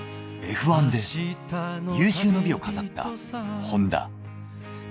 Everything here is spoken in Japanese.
Ｆ１で有終の美を飾ったホンダ。